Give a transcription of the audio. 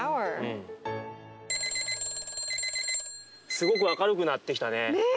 すごく明るくなってきたね。